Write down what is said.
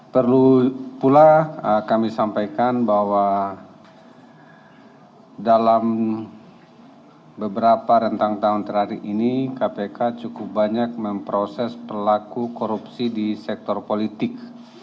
perlu pula kami sampaikan bahwa dalam beberapa rentang tahun terakhir ini kpk cukup banyak memproses pelaku korupsi di sektor politik